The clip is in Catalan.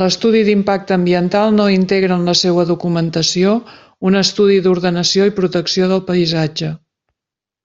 L'estudi d'impacte ambiental no integra en la seua documentació un estudi d'ordenació i protecció del paisatge.